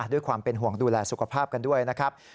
ด้วยความเป็นห่วงดูแลสุขภาพกันด้วยนะครับ